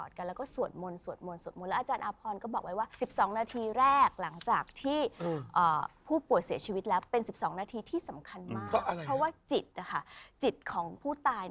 ใช่ก็แช่ตู้เย็นไว้เลย